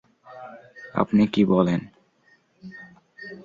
আপনি কি বলেন?